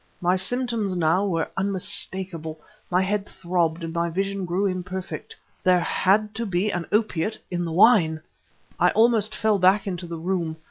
My symptoms now were unmistakable; my head throbbed and my vision grew imperfect; there had to be an opiate in the wine! I almost fell back into the room.